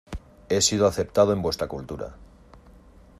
He sido aceptado en vuestra cultura.